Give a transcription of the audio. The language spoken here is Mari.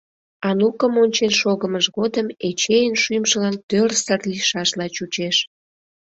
Анукым ончен шогымыж годым Эчейын шӱмжылан тӧрсыр лийшашла чучеш.